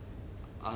ああ。